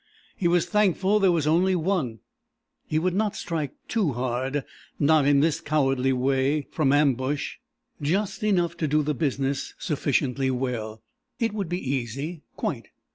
He was thankful there was only one. He would not strike too hard not in this cowardly way from ambush. Just enough to do the business sufficiently well. It would be easy quite.